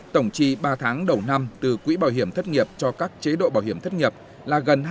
tổng trì ba tháng đầu năm từ quỹ bảo hiểm thất nghiệp cho các chế độ bảo hiểm thất nghiệp là gần hai tám trăm linh tỷ đồng